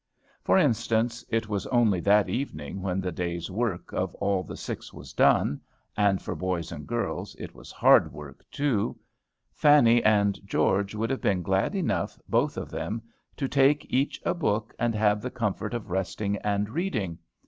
For instance, it was only that evening, when the day's work of all the six was done and for boys and girls, it was hard work, too Fanny and George would have been glad enough, both of them, to take each a book, and have the comfort of resting and reading.